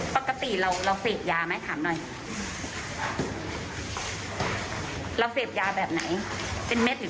ปกติเราเสธยาไหมถามหน่อยเสธยาแบบไหน